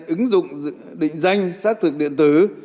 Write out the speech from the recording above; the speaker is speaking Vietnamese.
ứng dụng định danh xác thực điện tử